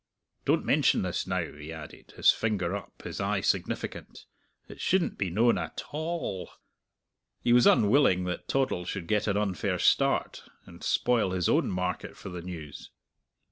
Don't mention this, now," he added, his finger up, his eye significant; "it shouldn't be known at a all." He was unwilling that Toddle should get an unfair start, and spoil his own market for the news.